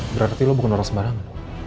berarti lo bukan orang sembarangan